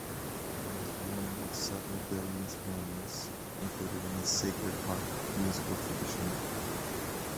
It is one of several Billings' hymns included in the "Sacred Harp" musical tradition.